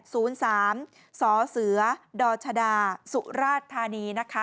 สเสดชดาสุราชธานีนะคะ